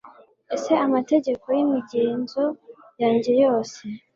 ese amategeko yimigenzo yanjye yose